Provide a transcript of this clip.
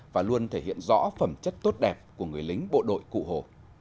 và luôn thể hiện rõ phẩm chất tốt đẹp của người lính bộ đội cụ hồ